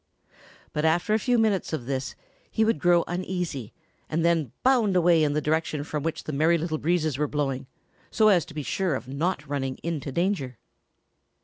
But after a few minutes of this he would grow uneasy and then bound away in the direction from which the Merry Little Breezes were blowing, so as to be sure of not running into danger.